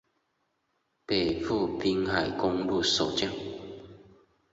北部滨海公路所见